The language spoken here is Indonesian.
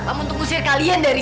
pak makasih ya